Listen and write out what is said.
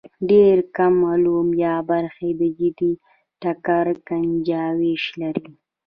ډېر کم علوم یا برخې د جدي ټکر ګنجایش لري.